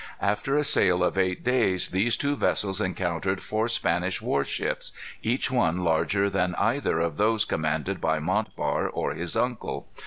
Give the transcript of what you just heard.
After a sail of eight days these two vessels encountered four Spanish war ships, each one larger than either of those commanded by Montbar or his uncle.